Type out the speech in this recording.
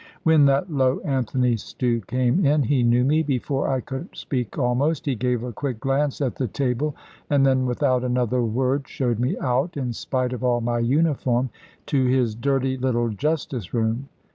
When that low Anthony Stew came in, he knew me (before I could speak almost); he gave a quick glance at the table, and then without another word showed me out, in spite of all my uniform, to his dirty little justice room.